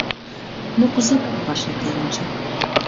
— Ну кузе вара пашат, Ӧрынчак?